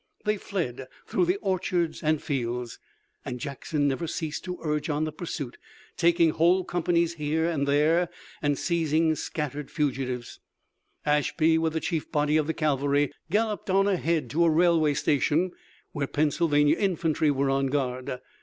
They fled through the orchards and the fields, and Jackson never ceased to urge on the pursuit, taking whole companies here and there, and seizing scattered fugitives. Ashby, with the chief body of the cavalry, galloped on ahead to a railway station, where Pennsylvania infantry were on guard.